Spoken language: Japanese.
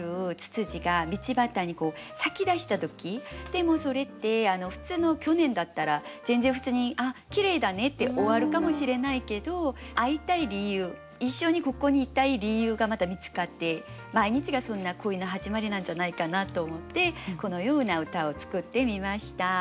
でもそれって去年だったら全然普通に「あっきれいだね」って終わるかもしれないけどいたい理由一緒にここにいたい理由がまた見つかって毎日がそんな恋の始まりなんじゃないかなと思ってこのような歌を作ってみました。